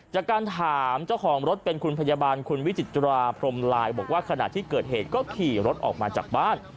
จากการถามเจ้าของรถเป็นคุณพยาบาลคุณวิจิตราพรมลายบอกว่าขณะที่เกิดเหตุก็ขี่รถออกมาจากบ้าน